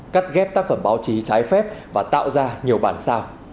cắt ghép tác phẩm báo chí trái phép và tạo ra nhiều bản sao